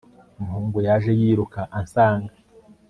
umuhungu yaje yiruka ansanga